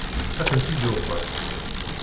Ad tent-id-yuqem?